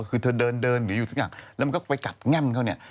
คือเธอเดินเดินหรืออยู่ทุกอย่างแล้วมันก็ไปกัดแง่มเขาเนี่ย